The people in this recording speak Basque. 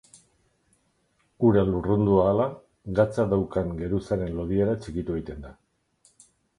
Ura lurrundu ahala, gatza daukan geruzaren lodiera txikitu egiten da.